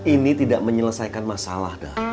ini tidak menyelesaikan masalah dah